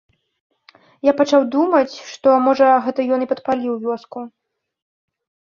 Я пачаў думаць, што, можа, гэта ён і падпаліў вёску.